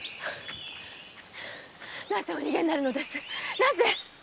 なぜお逃げになるのですかなぜ？